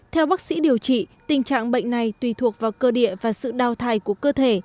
theo bác sĩ điều trị tình trạng bệnh này tùy thuộc vào cơ địa và sự đau thải của cơ thể